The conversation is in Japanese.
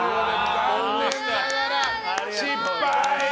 残念ながら失敗！